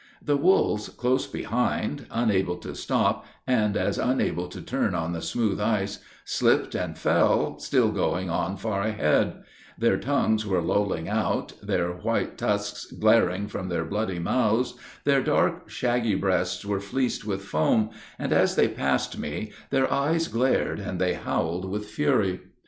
The wolves, close behind, unable to stop, and as unable to turn on the smooth ice, slipped and fell, still going on far ahead; their tongues were lolling out, their white tusks glaring from their bloody mouths, their dark, shaggy breasts were fleeced with foam, and, as they passed me, their eyes glared, and they howled with fury.